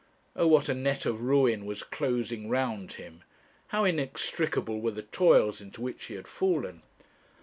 Oh, what a net of ruin was closing round him! how inextricable were the toils into which he had fallen!